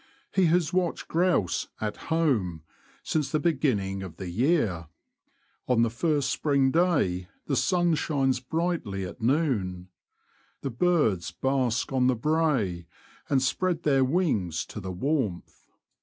He has watched grouse '' at home " since the beginning of the year. On the first spring day the sun shines brightly at noon. The birds bask on the brae, and spread their wings to the warmth.